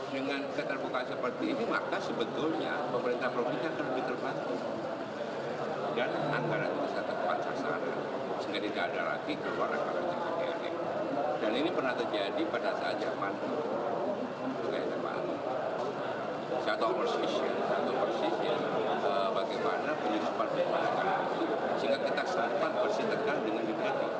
dengan keterbukaan seperti ini maka sebetulnya pemerintah provinsi akan lebih terbantu